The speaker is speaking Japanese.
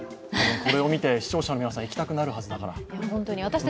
これを見て視聴者の皆さん行きたくなるはずだから。